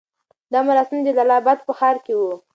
دا مراسم د جلال اباد په ښار کې وو.